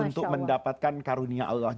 untuk mendapatkan karunia allah